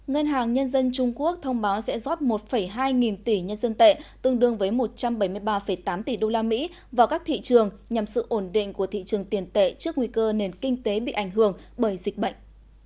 ngân hàng nhân dân trung quốc thông báo sẽ rót một hai nghìn tỷ nhân dân tệ tương đương với một trăm bảy mươi ba tám tỷ usd vào các thị trường nhằm sự ổn định của thị trường tiền tệ trước nguy cơ nền kinh tế bị ảnh hưởng bởi dịch bệnh